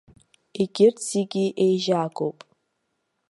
Егьырҭ зегьы еижьагоуп.